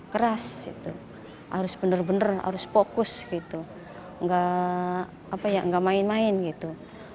harus benar benar fokus gitu nggak main main gitu